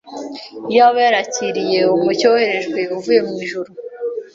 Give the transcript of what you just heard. iyaba yarakiriye umucyo woherejwe uvuye mu ijuru,